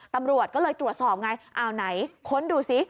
ตำรวจก็เลยตรวจสอบไงอ้าวไหนค้นดูซิ